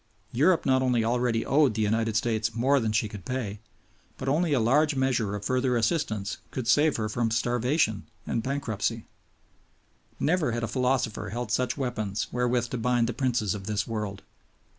Europe not only already owed the United States more than she could pay; but only a large measure of further assistance could save her from starvation and bankruptcy. Never had a philosopher held such weapons wherewith to bind the princes of this world.